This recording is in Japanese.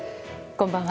こんばんは。